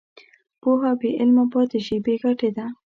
پوهه بېعمله پاتې شي، بېګټې ده.